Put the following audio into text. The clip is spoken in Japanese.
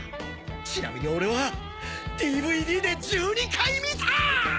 ちなみに俺はＤＶＤで１２回観た！